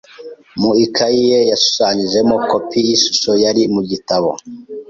Mu ikaye ye, yashushanyije kopi y'ishusho yari mu gitabo.